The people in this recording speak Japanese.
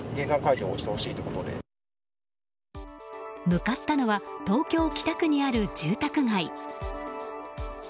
向かったのは東京・北区にある住宅街。